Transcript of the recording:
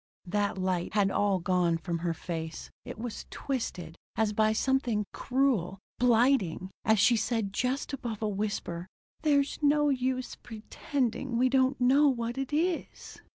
That light had all gone from her face. It was twisted, as by something cruel, blighting, as she said just above a whisper: "There's no use pretending we don't know what it is."